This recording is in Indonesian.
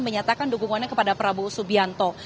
menyatakan dukungannya kepada prabowo subianto